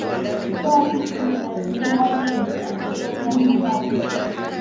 qua hili linajinadi na kichwa cha habari